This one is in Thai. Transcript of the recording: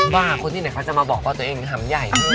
บ้าคนนี้ไหนคะจะมาบอกว่าตัวเองหัมใหญ่